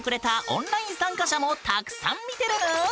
オンライン参加者もたくさん見てるぬん！